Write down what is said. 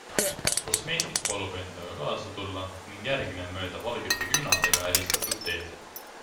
Kosmeetik palub endaga kaasa tulla ning järgnen mööda valgete küünaldega ääristatud teed.